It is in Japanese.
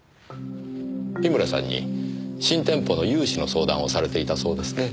樋村さんに新店舗の融資の相談をされていたそうですね。